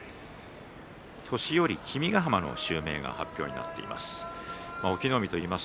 年寄君ヶ濱の襲名が発表になっています。